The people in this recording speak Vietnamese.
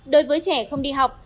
đối với trẻ không đi học